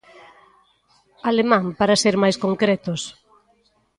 Alemán, para ser máis concretos.